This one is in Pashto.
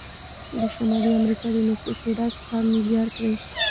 د شمالي امریکا د نفوسو ډک ښار نیویارک دی.